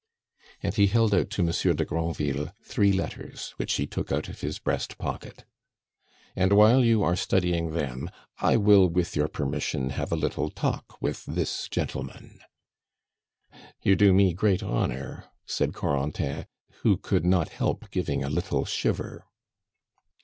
And he held out to Monsieur de Granville three letters, which he took out of his breast pocket. "And while you are studying them, I will, with your permission, have a little talk with this gentleman." "You do me great honor," said Corentin, who could not help giving a little shiver.